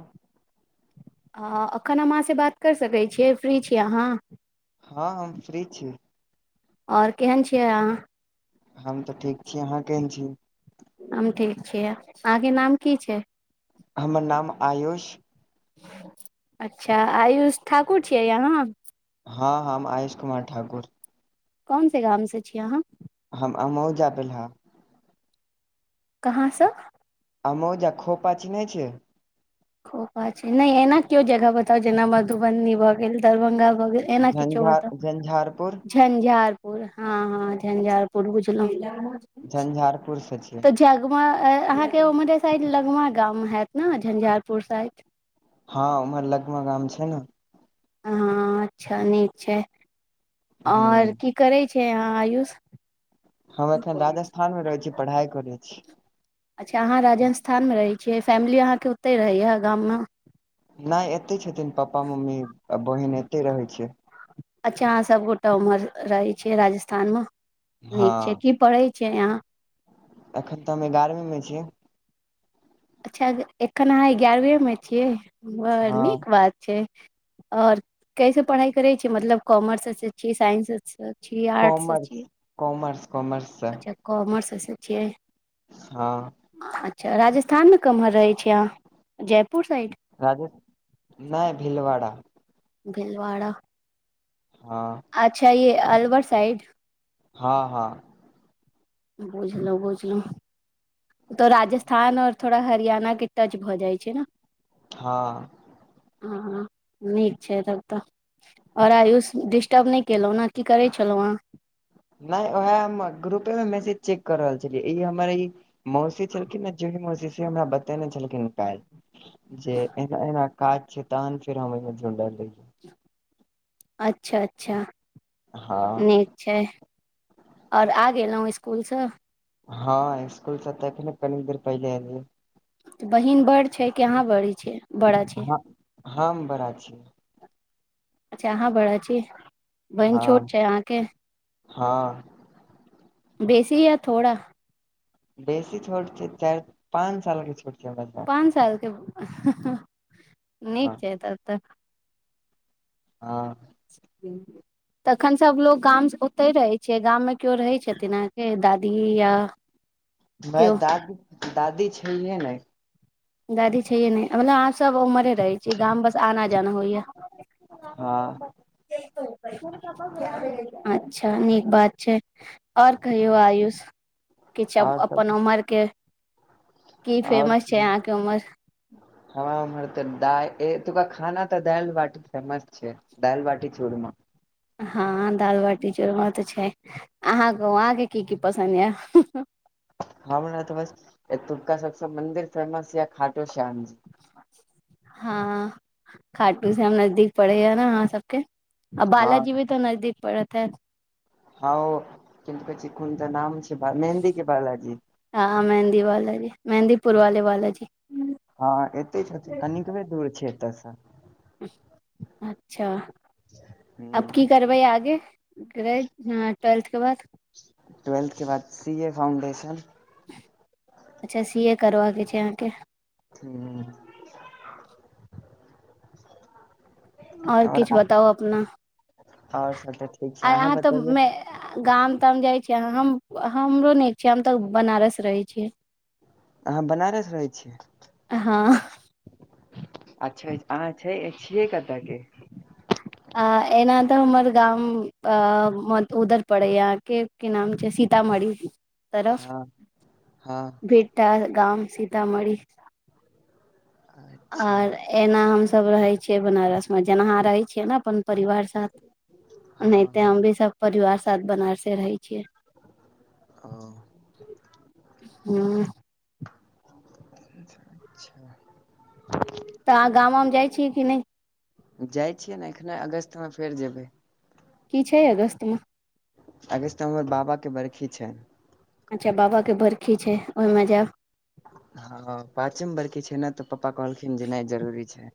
हँ एखन हम अहाँसँ बात कर सकै छियै फ्री छी अहाँ हँ हम फ्री छी ओर केहन छियै अहाँ हम तऽ ठीक छी अहाँ केहन छी हम ठीक छियै अहाँके नाम की छय हमर नाम आयुष अच्छा आयुष ठाकुर छियै यहाँ हँ हम आयुष कुमार ठाकुर कोन से गाम से छीयै अहाँ हम अमउजा बेल्हा कहाँ सँ आ मौजा खोपा चिन्है छियइ खोपा छै नइ एना केओ जगह बताउ जेना मधुबनी भए गेल दरभंगा भऽ गेल एना किछो झंझार बताउ झंझारपुर झं्झारपुर हँ हँ झंझारपुर बुझलहुँ झंझारपुर स छियै गमा अहाँके ओ मर साइड लगमा गाम हैत न झंझारपुर साइड हँ उर लगमे गाम छय न हँ अच्छा नीक छै ओर हूँ की करै छै अहाँ आयूष हम एखन राजस्थान में रहैत छी पढ़ाइ करैत छी अच्छा अहाँ राजस्थानमें रहै छियै फैमिली अहाँके ओतहि रहैएा गाममे नय एते छथिन पापा मम्मी आ बहिन एते रहै छै अच्छा अहाँ सबगोटा उम्हर रहै छियै राजस्थान में हँ नीक छै की पढ़ै छियै यहाँ एखन तऽ हम एगारहवीं में छियै अच्छा एखन अहाँ एगारहवी में छियै बड़ हँ नीक बात छै और कैसे पढ़ाई करे छी मतलब कॉमर्स अचछा छियै साइंस आपआर्टस साइड से कॉमर्स छी कॉमर्स कॉमर्स की कोमर्स स छियै हाँ अच्छा राजस्थानमें कम्हर रहैत छै अहाँ जयपुर साइड राजसथान नय भेलवड़ा भेलवाड़ा हँ अच्छा ये अलवर साइड हँ हँ बुझलीयै बुझलीयै तो राजस्थान और थोड़ा हरियाणा के टच भऽ जाइ छै न हँ। हँ निक छै तब तऽ और आयुष दिस्सुर्ब नहि केलहूँ ने की करे छलहुन हे नहि ओएह हम ग्रुपे मे मैसेज चेक कर रहल छलियै ई हमर मौसी छलखिन न जे मौसी हमरा बतेने छलखिन काल जे एना एना काज छै तन फेर हम जड़ ल अच्छा, अच्छा हँ निक छै ओर आ गेलहुँ स्कूलसँ हँ स्कूलसँ तऽने कनि देर पहिले अल बहिन बड़ छै कि यहाँ बड़ी छै। बड़ा छै हम बड़ा छी अच्छा, अहाँ बड़ा छै बन छोट हँ छै अहाँकेँ हँ बेसी या थोड़ा बेसी छोट छै, चारि पाँच सालके छोट छिय ब पाँच साल के हि निक हँ छै तब तऽ हँ। तखन सभ लोकोग गाम ओते रहै छै गाममे केओ रहै छथिन अहाँकेँ दादी दिया। मे दादी दादी छैहे ने गाड़ी छैये नहि मतलब आहाँ सभ उमरे रहे छी गाम बस आना जाना होइया हँ। अच्छा निक बात छै आओर कहियौ आयुष किछु आओर अपन उमर के की ओर फेमस छै अहाँके उमर हवा उमहर तऽ द एतुका खाना तऽ दाल बाट फेमस छै। दयालऽ बाटी चूड़म हँ, दाल बाटी चोरम त छै अहाँ गामके कि कि पसन्द य ख तऽ बस तुका सभसँ मंन्दिर फेमस या खाटो श्यामजी हँ खाटू से हम नजदीक पड़े ह ने अहाँ सभके आ हँ बालजी भी तऽ नजदीक पड़त है। ह कि कहै छी कोन तऽ नाम छै मेहन्दी के बालाजी हँ, मेहीवाला जी मेहन्दीपुर वाले वाला जी हँ एते छथिन कनिबे दूर छै एतयसँ अच्छा। अब कि करबै आगे ट्वेल्थके बाद ट्वेल्थके बाद सीए फाउंडेशन अच्छा सीए करके छै अहाँकेँ ह। ओर आओर किछु बताउ अपना आओर सब तऽ ठीक आ छै अहाँ तऽ बतबियौ मे। गाम ताम जाइ छियै हमरो नहि छै हम तऽ बनारस रहै छियै अहाँ बनारस रहै छियै। हँ अच्छा, अच्छा, आहा छियै कतके अ एना तऽ हमर गाम उधर पड़े य अहाँकेँ कि नाम छै सीतामढ़ी तरफ हँ हँ भेटा गाम सीतामढ़ी। अच्छा और एऐना हम सभ रहे छिये बनारस मे जेनाह रहे छियै ने अपन परिवार ओनाहिते हँ हम भी सभ परिवार साथ बनार से रहै छियै। ओ हू। अच्छा। तऽ अहाँ गाम मे जाइ छियै कि नहि जाइ छियै ने एखने अगस्त मे फेर जेबै। कि छै अगस्त मे अगुस्त मे हमर बाबाके बरखी छै अच्छा बाबा के बर्खी छै ओहिमे जायब हँ पाँचम बरके छै ने तऽ पापा कहलखिन जे नहि जरूरी छै।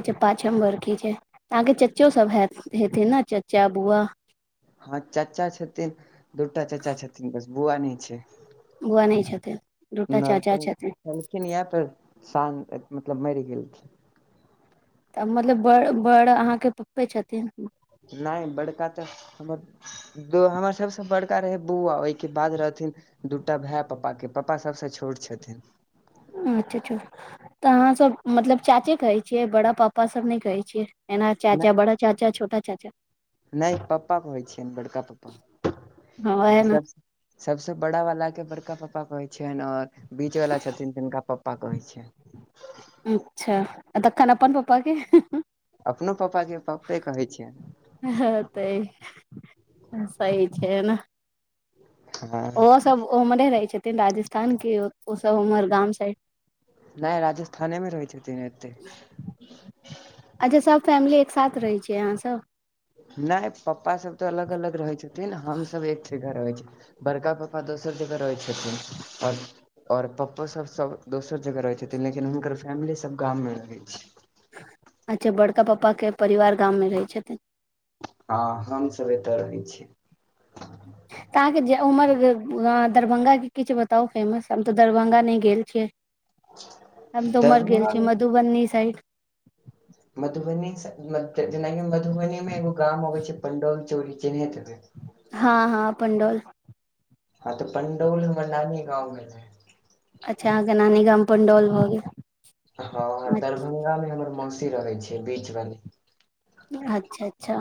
अच्छा, पाचम्बर कि छै अहाँकेँ चच्चो सभ हत हेतै ने चाचा बुआ हँ, चाचा छथिन दूटा चाचा छथिन बस बुआ नहि छै। बौआ नहि छथिन दूटा चाचा छथिन। खिन इह तऽ साँ मतलब मरि गेल छै। तऽ मतलब बड़ बड़ अहाँकेँ पप्पे छथिन नहि बड़का त हमर हमर सभसँ बड़का रहै बौआ ओहिके बाद रहथिन दूटा भाय पापा के पप्पा सभसँ छोट छथिन अच्छा अच्छा तऽ अहाँ सभ मतलब चाचे कहै छियै बड़ा पापा सभ नहि कहै छियै एना चाचा बड़ा चाचा छोटा चाचा। नहि पप्पा कहै छियनि बड़का पप्पा हँ इन। सभसँ बड़ा वाला के बड़का पापा कहै छियनि और बीच वाला छथिन तिनका प्पा कहै छैय। अच्छा आ तखन अपन पापाके अपनो पापा के पप्पे कहैन छिए हँ तऽ सही छैय न हँ। सभ ओम्हरे रहै छथिन राजस्थान के ओसभ उम्हर गाम साइड नहि राजस्थाने मे रहै छथिन एतेक अच्छा सभ फैमिली एकसाथ रहै छियै अहाँसभ। नहि पप्पा सभ तऽ अलग अलग रहै छथिन हमसभ एक। जह रहै छै बड़का पापा दोसर जगह रहै छथिन आओर और पप्पो सभ सभ दोसर जगह रहै छथिन लेकिन हुनकर फैमिली सभ गाम मे रहै छै अच्छा बड़का पापा के परिवार गाम मे रहै छथिन हँ, हमसभ एतऽ रहै छीयै। ह तऽ अहाँकेँ उमर दरभंगा के किछु बताउ फेमस हम तऽ दरभंगा नहि गेल छियै हम तऽमर गेलल दरभंगा छै मे मधुबनी साइड मधुबनी जेनाकि मधुबनी मे एगो गाम अबे छैय पंडौल चोरी चिन्हैत हबै हँ, हँ, पणडौल आ तऽ पंडौलमे नानी गावमे अच्छा आहा नानी गाम पंडौल भऽ गेल हँ दरभंगा मे हमर मौसी रहे छै, बीच वाली अच्छा, अच्छा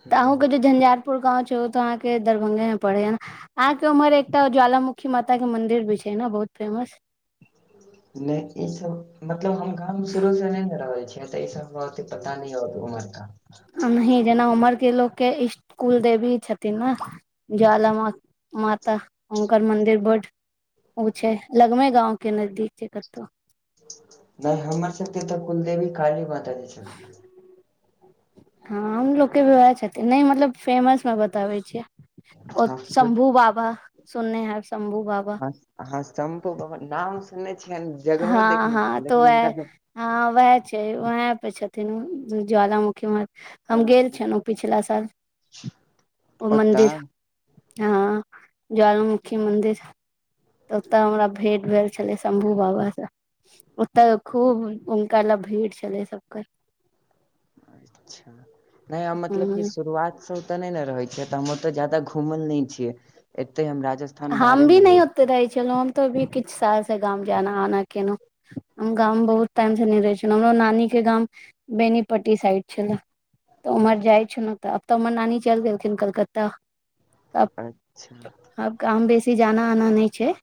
ह तऽ अहूँकेँ जे झंझारपुर गाव छै ओ तऽ अहाँकेँ दरभंगे मे पड़ेय अहाँ के उम्हर एकटा ज्वालामुखी माता के मंदिर भी छैय न बहुत फेमस नहि ई सब मतलब हम गामव शुरू से नहि ने रहल छियै तऽ ई सब ह मरा ओते पता न होत उमहरका नहीं जेना उमर के लोकके इसकुल देवी छथिन न ज्वाला मा माता हुकरर मंदिर बड उ छै लगमे गांव के टानजदीक छै कतहु नहि हमर सब के तऽ कुलदेवी काली माता जी छथिन हँ हमलोके भी वएह छथिन नहि मतलब फेमस मे बताबै छियै ओ छथिन शम्भू बाबा सुनने हेब शम्भू बाबा हाँ शंम्भू बाबा नाम सुनने छियनि जगहो हँ देखने हँ छियनि तो लेकिन ए हुनका हँ उएह छै उएह पे छथिन ज्वालामुखी म हम गेल छलहुँ पिछिला साल ओ ओतऽ मन्दिर हँ ज्वालमुखी मन्दिर तऽ ओतय हमरा भेंट भेल छलै शम्भू बाबासँ ओतऽ खूब हुनका लए भीड़ छलै सबके अच्छा नहि मतलब कि ह शुरुआतसँ ओतऽ नहि ने रहै छै तऽ हम ओतऽ जााद घूमल नहि छियै एते हम राजा हम भी नहि ओते रहै छलहुँ हम तो अभी किछु साल से गाम जाना आना केलहुँ हम गाम बहुत टाइम से नहि रहै छलहुँ हमरो नानीके गाम बेनीपट्टी साइड छले तऽ उम्हर जाइ छौ ने तऽ आब तऽ हमर नानी चलि गेलखिन कलकत्ता अच्छा हम बेसी जाना आना नहि छैय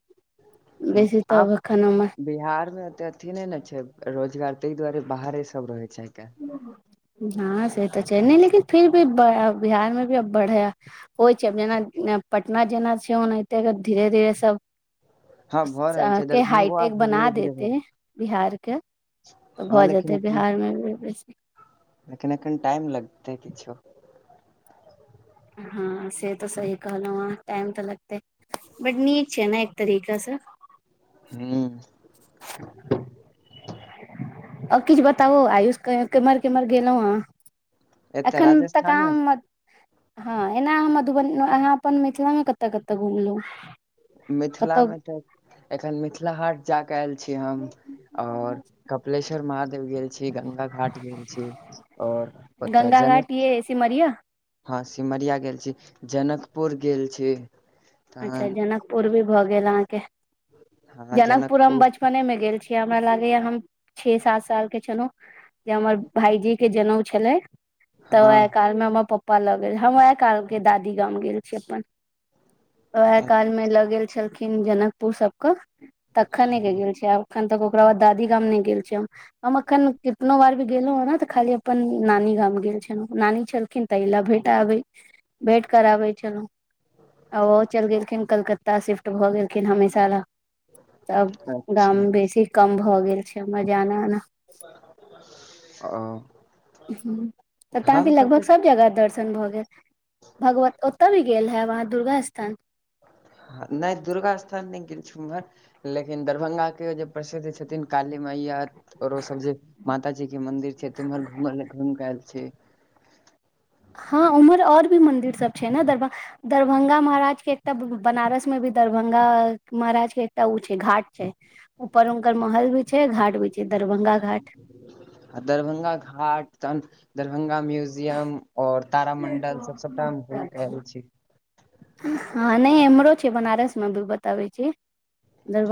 आप [inaudible] बिहार मे। ओते अथी नै ने छै रोजगार तइ दुआरे बाहरे सब रहे छै आइ काल हँ से तऽ छै ने लेकिन फिर भी बिहार मे भी अब बढ़ै होइ छै जेना पटना जेना छै ओनाहिते धीरे धीरे सब हँ भऽ रहल छै के दरभंगो आब हाइटेक बना धीरे धीरे भऽ देते बिहारके त हँ भऽ लेकिन जेतै एखन बिहारमे बेसी लेकिन एखन टाइम लगतै किछो हँ से तऽ सही कहलौं आहँ टाइम तऽ लगते बड नीक छै ना एक तरिका से हूँ भा [inaudible] आ किछु बताबो आयुष केम्हर केमहर गेलहु हन एतऽ एखन तऽ राजस्थानमे अहाँ हँ एना अहाँ मधुबनी अहाँ अपन मिथिला मे कतऽ कतऽ घुमलौ मिथिलामे तऽ एखन मिथिला हाट जा कऽ आयल छी हम और कपिलेश्वर महादेव गेल छी गंगा घाट गेल छी और ओता जनक के सिमरिया हँ सिमरिया गेल छी जनकपुर गेल छी अच्छा तहन जनकपुर भी भए गेल अहाँके जनकपुर हम बचपने मे गेल छी हमरा लागैया हम छह सात साल के छलहु जे हमर भाईजी के जनउ छलै तऽ हँ ओहे कहल म्मा पपा लऽ गेल हम वहे काल के दादी गाम गेल छीअइ अपन वैह काल मे लऽ गेल छलखिन जनकपुर सब कऽ तखने कऽ गेल छियै और एखन तक ओकरा दादी गाम नइ गेल छी हम हम अखन कितनो बार भी गेलो हँ नऽ तऽ खाली अपन नानी गाम गेल छलहुँ नानी छल खिन तइ ला भेटाबे भेंट कराबै छलहुँ [inaudible] आ ओहो चलि गेलखिन कलकत्ता शिफ्ट भऽ गेलखिन हमेशा लऽ तब अच्छा गाम बेसी कम भऽ गेल छै हमर जाना आना ओ पता नइ हमसभ तऽ लगभग सब जगह दर्शन भऽ गेल भगवत ओतय भी गेल हैब आहाँ दुर्गा स्थान नइ दुर्गा स्थान नइ गेल छु उम्हर लेकिन दरभंगाक केँ जे प्रसिद्ध छथिन काली मैया औरो सब जे माता जी केँ मंदिर छै तिम्हर घूइम केँ आयल छी हँ उम्हर और भी मंदिर सब छै न दरभंगा दरभंगा महाराज केँ एकटा बनारस मे भी दरभंगा महाराज के एकटा उ छै घाट छै ऊपर उनकर महल भी छै घाट भी छै दरभंगा घाट दरभंगा घाट तहन दरभंगा म्यूजियम और तारामंडल सब सबटा हम घुम कर आएल छी हँ नइ इम्हरो छै बनारस म अभी बताबै छी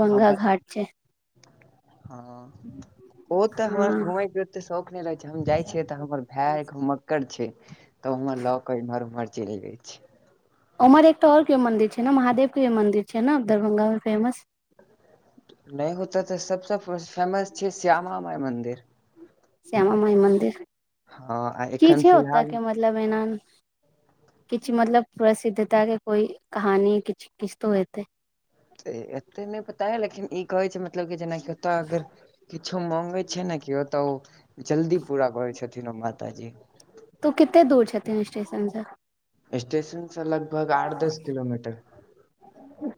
हँ ब- घाट छै हँ ओ तऽ हमरा हँ घुमय केँ ओते शौक नइ रहै छै हम जाइ छियै तऽ हमर भाय घुमक्कर छै तऽ उम्हर लऽ कऽ एम्हर उम्हर चलि जाय उम्हर एकटा और कियो मन्दिर छै नऽ महादेव केँ भि मंदिर छै नऽ दरभंगा मे फेमस नइ होतै तऽ सबसँ फेमस छै श्यामा माइ मन्दिर श्यामा माइ मन्दिर की एखन छै ओतय फिलहाल केँ मतलब एना किछ मतलब प्रसिद्धता के कोई कहानी किछ किछ तो हेते एते नय पता लेकिन ई कहै छै मतलब की जेनाकि ओत अगर किछो मांगे छै न क्यों ओ तऽ जल्दी पूरा करै छथिन ओ माताजी तो कते दूर छथिन स्टेशन सँ स्टेशनसँ लगभग आठ दस किलोमीटर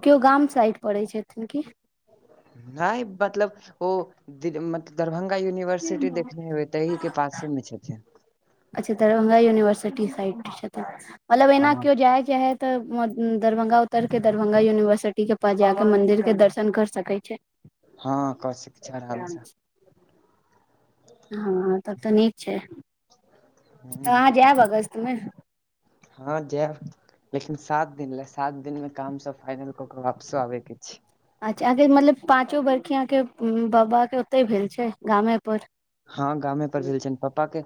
क्यो गाम साइड पड़ै छथिन की नय मतलब ओ दी मत दरभंगा यूनिवर्सिटी देखने हेबै तहि केँ पासेमे छथिन अच्छा दरभंगा यूनिवर्सिटी साइड छथिन मतलब एना हँ कहिओ जाय केँ हैत तऽ दरभंगा उतरके दरभंगा यूनिवर्सिटी केँ पास जाकँ मंन्दिरके दर्शन कर सकै छै हाँ कसिक छै आरामसँ हँ तब तऽ नीक छै ह तऽ अहाँ जायब अगस्त मे हँ जाएब लेकिन सात दिन लेऽ सात दिन मे काम सब फाइनल कऽ के वापसो आबै के छइ अच्छा अहाँकेँ मतलब पाँचो बरखी अहाँकेँ बाबा केँ ओतहि भेल छै गामेपर हँ गामे पर भेल छैन पपा केँ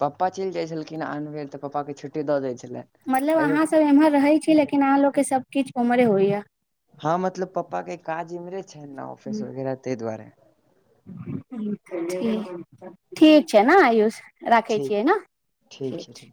पपा चलि जाइ छलखिन आन बेर तऽ पपा केँ छुट्टी दऽ दै छलै मतलब अहा सब एम्हर रहे छी लेकिन अहाँ लोग केँ सब किछ उम्महरे होइ य हँ मतलब पापा के काज इमहरे छै, ने ऑफिस वगैरह ताहि दुआरे ठीक छै ना आयुष राखै ठीक छियै न ठीक छै।